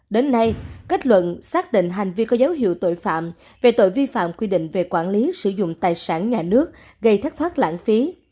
đến nay kết luận xác định hành vi có dấu hiệu tội phạm về tội vi phạm quy định về quản lý sử dụng tài sản nhà nước gây thất thoát lãng phí